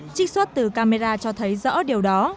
trích xuất từ camera cho thấy rõ điều đó